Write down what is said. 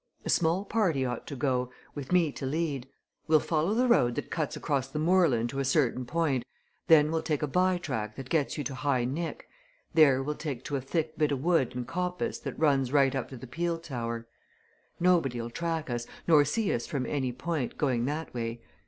A small party ought to go with me to lead. We'll follow the road that cuts across the moorland to a certain point; then we'll take a by track that gets you to High Nick; there we'll take to a thick bit o' wood and coppice that runs right up to the peel tower. Nobody'll track us, nor see us from any point, going that way.